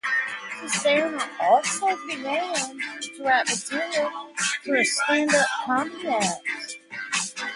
Cesternino also began to write material for a stand-up comedy act.